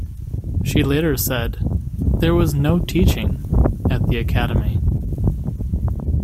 She later said, "There was no teaching" at the Academy.